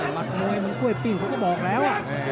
มัดมวยเมืองกล้วยปิ้งเขาก็บอกแล้ว